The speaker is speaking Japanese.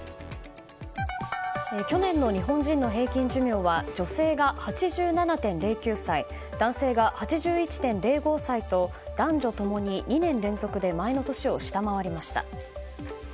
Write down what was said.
去年の日本人の平均寿命は女性が８７．０９歳男性が８１．０５歳と男女ともに２年連続で前の年を下回りました。